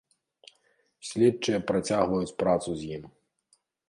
Следчыя працягваюць працу з ім.